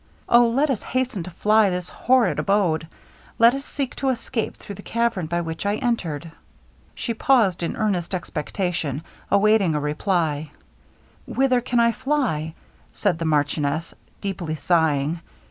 Oh! let us hasten to fly this horrid abode let us seek to escape through the cavern by which I entered.' She paused in earnest expectation awaiting a reply. 'Whither can I fly?' said the marchioness, deeply sighing.